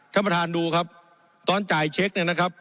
ท่านประธานดูครับตอนจ่ายเช็คเนี่ยนะครับ